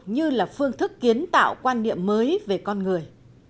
như là phương thức kiến tạo quan niệm mới về con người